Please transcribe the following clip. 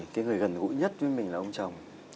cái người gần gũi nhất với mình là ông chồng